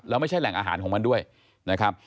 แล้วไม่ใช่แหล่งอาหารของมันด้วยนะครับ